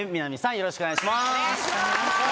よろしくお願いします。